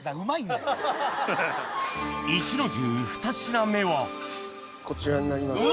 壱の重ふた品目はこちらになります。